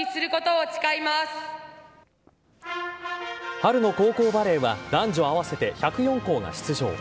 春の高校バレーは男女合わせて１０４校が出場。